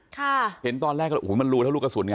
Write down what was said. ค่ะเห็นตอนแรกโอ้วมันลูกแล้วลูกกระสุน